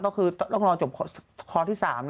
ก็คือต้องรอจบคอร์ที่๓